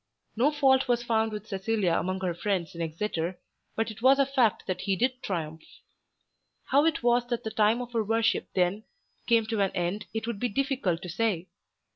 No fault was found with Cecilia among her friends in Exeter, but it was a fact that she did triumph. How it was that the time of her worship then came to an end it would be difficult to say.